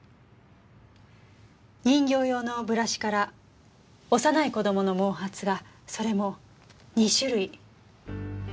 人形用のブラシから幼い子供の毛髪がそれも２種類。